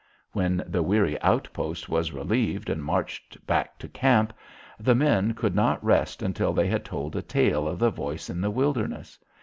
When the weary outpost was relieved and marched back to camp, the men could not rest until they had told a tale of the voice in the wilderness.